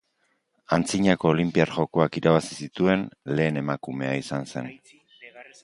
Antzinako Olinpiar Jokoak irabazi zituen lehen emakumea izan zen.